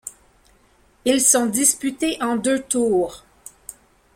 Ils sont disputés en deux tours.